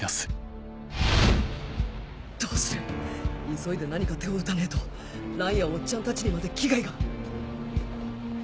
どうする⁉急いで何か手を打たねえと蘭やおっちゃんたちにまで危害が